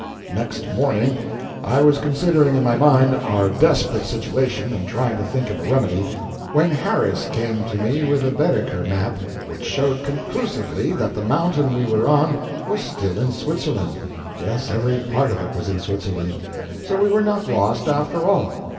Next morning I was considering in my mind our desperate situation and trying to think of a remedy, when Harris came to me with a Baedeker map which showed conclusively that the mountain we were on was still in Switzerland yes, every part of it was in Switzerland. So we were not lost, after all.